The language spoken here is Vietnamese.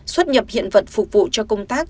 xuất nhập hiện vật phục vụ cho công tác